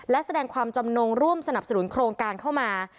และแสดงความจำนงร่วมสนับสนุนโครงการเข้ามา